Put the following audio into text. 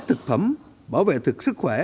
thực phẩm bảo vệ thực sức khỏe